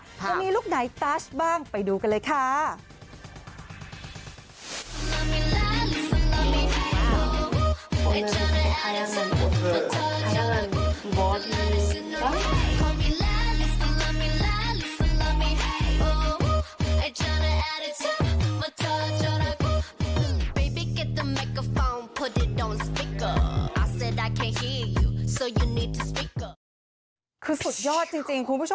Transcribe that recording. จะมีลูกไหนตัสบ้างไปดูกันเลยค่ะ